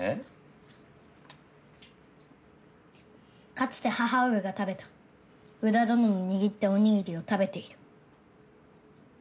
かつて母上が食べた宇田どのの握ったおにぎりを食べている。